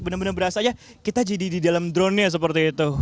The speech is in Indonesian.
bener bener berasanya kita jadi di dalam drone nya seperti itu